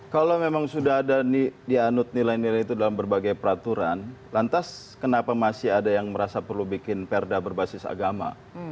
kalau memang sudah ada dianut nilai nilai itu dalam berbagai peraturan lantas kenapa masih ada yang merasa perlu bikin perda berbasis agama